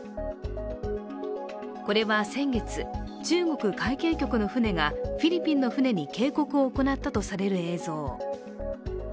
これは先月、中国海警局の船がフィリピンの船に警告を行ったとされる映像。